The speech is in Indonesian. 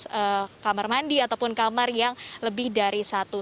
di kamar mandi ataupun kamar yang lebih dari satu